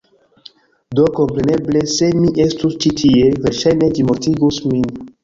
Do kompreneble, se mi estus ĉi tie, verŝajne ĝi mortigus min.